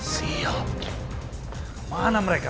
siap mana mereka